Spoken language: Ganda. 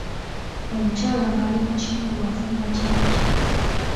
Omukyala ng'ali mu kiyungu affumba kya nkya.